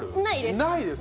ないです。